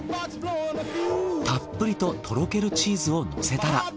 たっぷりととろけるチーズをのせたら。